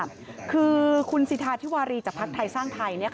คือคุณสิทธาธิวารีจากภักดิ์ไทยสร้างไทย